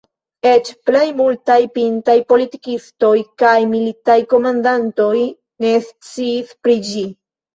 Eĉ plej multaj pintaj politikistoj kaj militaj komandantoj ne sciis pri ĝi.